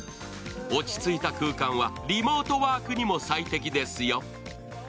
落ち着いた空間はリモートワークにも最適ですよ。